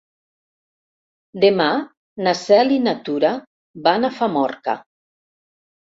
Demà na Cel i na Tura van a Famorca.